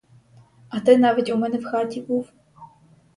А ти навіть у мене в хаті був.